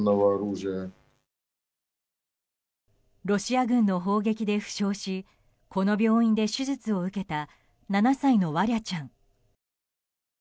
ロシア軍の砲撃で負傷しこの病院で手術を受けた７歳のワリャちゃん。